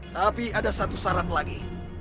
tapi ada satu syarat lagi